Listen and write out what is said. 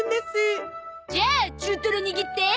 じゃあ中トロ握って！